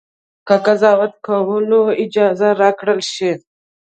که قضاوت کولو اجازه راکړه شي.